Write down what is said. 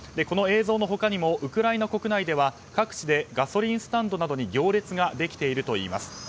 この映像の他にもウクライナ国内では各地でガソリンスタンドなどに行列ができているといいます。